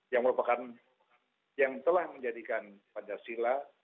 yang merupakan yang telah menjadikan pancasila